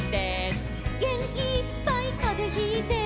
「げんきいっぱいかぜひいて」